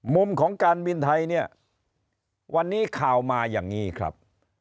มุมของการบินไทยเนี่ยวันนี้ข่าวมาอย่างนี้ครับ